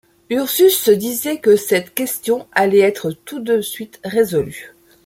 Ursus se disait que cette question allait être tout de suite résolue.